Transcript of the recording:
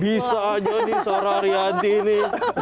bisa aja nih seorang arihanti ini